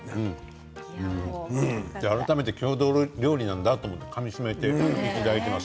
改めて郷土料理なんだというのをかみしめていただきます。